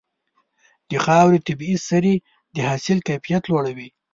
د خاورې طبيعي سرې د حاصل کیفیت لوړوي.